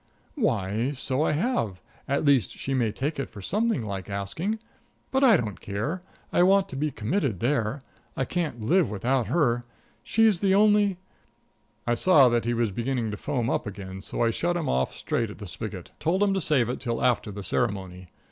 "Why, so I have; at least she may take it for something like asking. But I don't care; I want to be committed there; I can't live without her; she's the only " I saw that he was beginning to foam up again, so I shut him off straight at the spigot. Told him to save it till after the ceremony.